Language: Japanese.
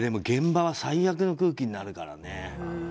現場は最悪な空気になるからね。